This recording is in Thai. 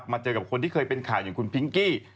เจอกับคนที่เคยเป็นข่าวอย่างคุณพิงกี้